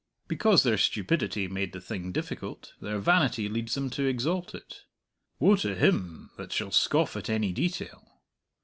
Because their stupidity made the thing difficult, their vanity leads them to exalt it. Woe to him that shall scoff at any detail!